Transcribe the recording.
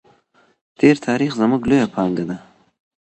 تېر تاریخ زموږ لویه پانګه ده.